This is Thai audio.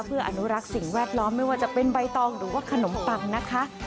เพื่ออนุรักษ์สิ่งแวดล้อมไม่ว่าจะเป็นใบตองหรือว่าขนมปังนะคะ